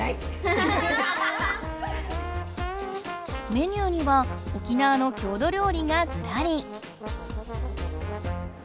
メニューには沖縄のきょう土りょう理がずらり。